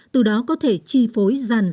từ đó có thể chi phối giàn sát